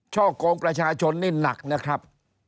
ช่อกงประชาชนนี่หนักนะครับ